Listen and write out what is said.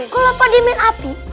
kalau pada main api